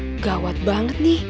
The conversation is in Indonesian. yah gawat banget nih